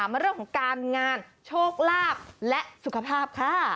เป็นยังไงบ้างครับ